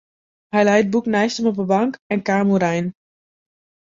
Hy lei it boek neist him op de bank en kaam oerein.